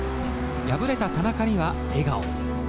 敗れた田中には笑顔。